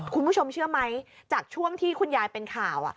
คุณผู้ชมเชื่อไหมจากช่วงที่คุณยายเป็นข่าว